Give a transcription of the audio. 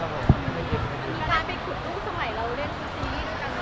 เราเล่นฟิสีกันขนาดนั้น